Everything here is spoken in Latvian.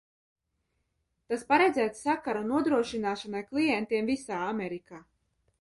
Tas paredzēts sakaru nodrošināšanai klientiem visā Amerikā.